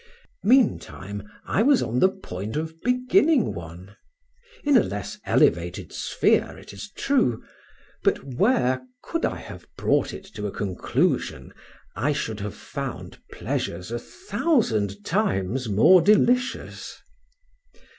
Meantime, I was on the point of beginning one; in a less elevated sphere, it is true, but where could I have brought it to a conclusion, I should have found pleasures a thousand times more delicious.